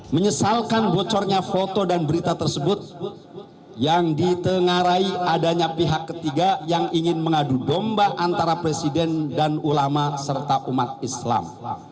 menyesalkan bocornya foto dan berita tersebut yang ditengarai adanya pihak ketiga yang ingin mengadu domba antara presiden dan ulama serta umat islam